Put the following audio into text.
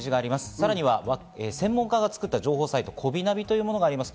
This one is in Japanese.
さらには専門家が作った情報サイトこびナビというものもあります。